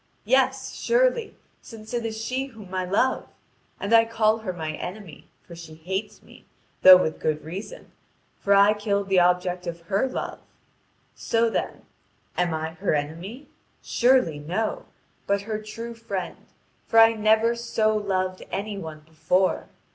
Yes, surely, since it is she whom I love. And I call her my enemy, for she hates me, though with good reason, for I killed the object of her love. So, then, am I her enemy? Surely no, but her true friend, for I never so loved any one before.